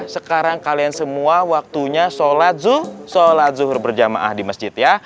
sekarang kalian semua waktunya sholat zuh sholat zuhur berjamaah di masjid ya